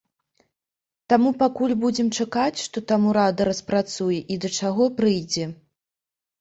Таму пакуль будзем чакаць, што там урада распрацуе і да чаго прыйдзе.